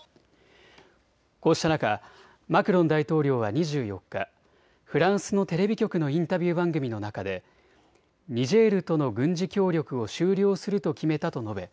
こうした中、マクロン大統領は２４日、フランスのテレビ局のインタビュー番組の中でニジェールとの軍事協力を終了すると決めたと述べ